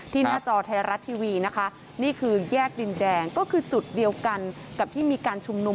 หน้าจอไทยรัฐทีวีนะคะนี่คือแยกดินแดงก็คือจุดเดียวกันกับที่มีการชุมนุม